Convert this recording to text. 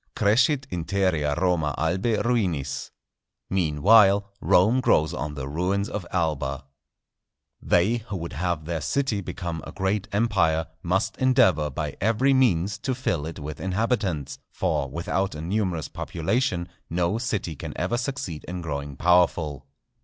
_ "Crescit interea Roma Albæ ruinis"—Meanwhile Rome grows on the ruins of Alba. They who would have their city become a great empire, must endeavour by every means to fill it with inhabitants; for without a numerous population no city can ever succeed in growing powerful.